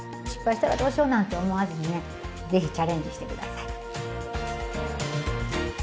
失敗したらどうしようなんて思わずにぜひチャレンジしてください。